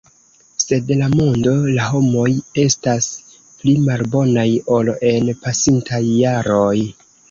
Sed la mondo, la homoj estas pli malbonaj ol en pasintaj jaroj.